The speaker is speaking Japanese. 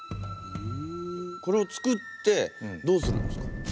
これをつくってどうするんですか？